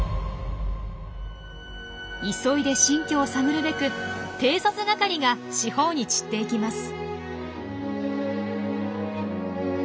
急いで新居を探るべく偵察係が四方に散っていきます。